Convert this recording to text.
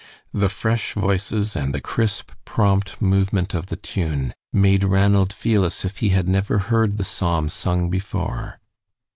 The fresh voices and the crisp, prompt movement of the tune made Ranald feel as if he had never heard the psalm sung before.